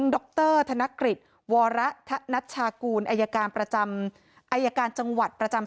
ดรธนกฤษวรธนัชชากูลอายการประจำอายการจังหวัดประจำ